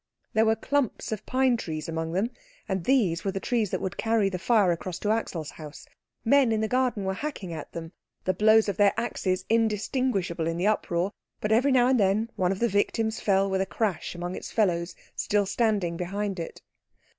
There were clumps of pine trees among them, and these were the trees that would carry the fire across to Axel's house. Men in the garden were hacking at them, the blows of their axes indistinguishable in the uproar, but every now and then one of the victims fell with a crash among its fellows still standing behind it.